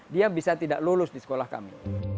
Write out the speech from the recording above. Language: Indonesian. dia bisa tidak lulus di sekolah kami